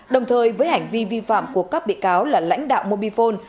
đồng thời với hành vi vi phạm của các bị cáo là lãnh đạo mobifone